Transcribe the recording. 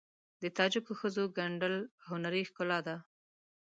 د تاجکو ښځو ګنډل هنري ښکلا ده.